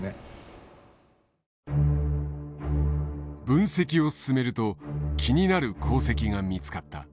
分析を進めると気になる航跡が見つかった。